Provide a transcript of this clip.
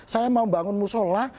saya mau bangun musola